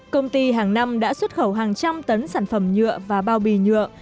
công ty hàng năm đã xuất khẩu hàng trăm tấn sản phẩm nhựa và bao bì nhựa